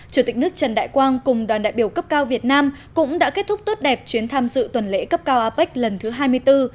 chủ tịch nước trần đại quang cùng đoàn đại biểu cấp cao việt nam cũng đã kết thúc tốt đẹp chuyến tham dự tuần lễ cấp cao apec lần thứ hai mươi bốn